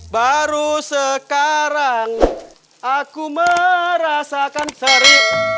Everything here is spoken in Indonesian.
baru sekarang aku merasakan terik